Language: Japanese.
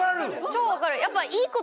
超分かる。